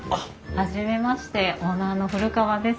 初めましてオーナーの古川です。